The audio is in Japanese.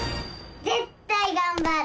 ぜったいがんばる！